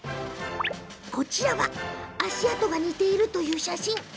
こちらは足跡が似ているという写真。